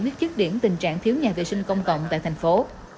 quyết chất điểm tình trạng thiếu nhà vệ sinh công cộng tại thành phố